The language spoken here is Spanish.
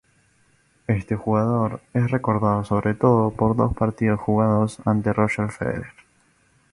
Este jugador es recordado, sobre todo, por dos partidos jugados ante Roger Federer.